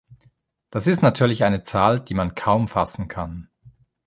Das ist natürlich eine Zahl, die man kaum fassen kann.